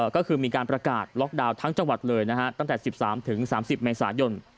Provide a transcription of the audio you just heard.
ก็คือมีการประกาศล็อกดาวน์ทั้งจังหวัดเลยนะฮะตั้งแต่๑๓๓๐เมษายน